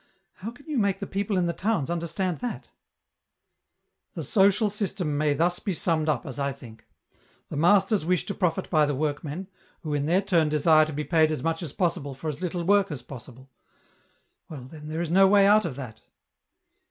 How can you make the people in the towns understand that ?"" The social system may thus be summed up, as I think : the masters wish to profit by the workmen, who in their turn desire to be paid as much as possible for as little work as possible. Well, then, there is no way out of that."